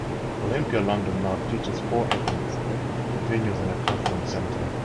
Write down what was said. Olympia London now features four event venues and a conference centre.